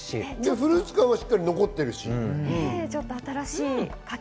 フルーツ感はしっかり残ってる。